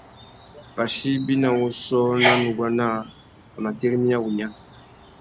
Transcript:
Pachí ibi nà wuchiô nà nuguá naā, a mà tirimiya wunya.